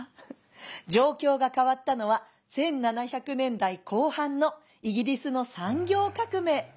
「状況が変わったのは１７００年代後半のイギリスの産業革命。